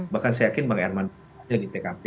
bahkan saya yakin bang erman ada di tkp